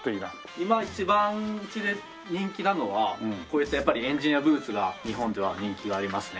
今一番うちで人気なのはこういったやっぱりエンジニアブーツが日本では人気がありますね。